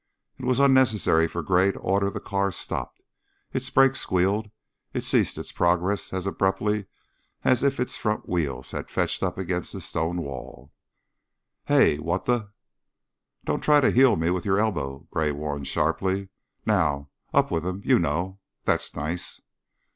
It was unnecessary for Gray to order the car stopped; its brakes squealed, it ceased its progress as abruptly as if its front wheels had fetched up against a stone wall. "Hey! What the ?" "Don't try to 'heel' me with your elbow," Gray warned, sharply. "Now, up with 'em you know. That's nice."